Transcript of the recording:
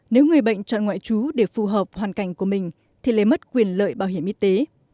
nếu người bệnh chọn ngoại chú để phù hợp hoàn cảnh của mình thì lấy mất quyền lợi bảo hiểm y tế